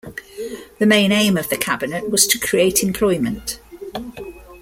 The main aim of the cabinet was to create employment.